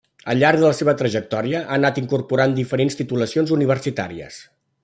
Al llarg de la seva trajectòria, ha anat incorporant diferents titulacions universitàries.